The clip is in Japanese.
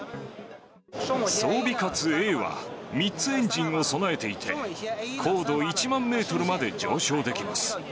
双尾蝎Ａは、３つエンジンを備えていて、高度１万メートルまで上昇できます。